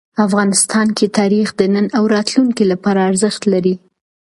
افغانستان کې تاریخ د نن او راتلونکي لپاره ارزښت لري.